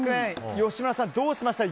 吉村さん、どうしましたか。